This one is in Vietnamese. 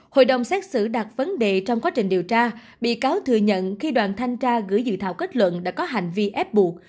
hội đồng xét xử đặt vấn đề trong quá trình điều tra bị cáo thừa nhận khi đoàn thanh tra gửi dự thảo kết luận đã có hành vi ép buộc